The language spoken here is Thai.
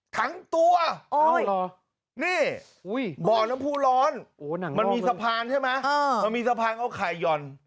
ทั้งตัวนี่บ่อน้ำผู้ร้อนมันมีสะพานใช่ไหมมันมีสะพานเอาไข่ห่อน